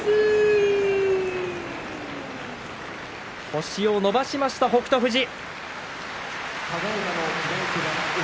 星を伸ばしました、北勝富士。